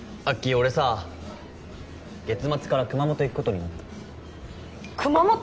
俺さ月末から熊本行くことになった熊本！？